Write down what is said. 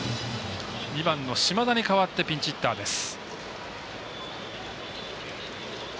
２番の島田に代わってピンチヒッターです。